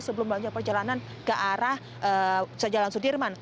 sebelum melanjutkan perjalanan ke arah jalan sudirman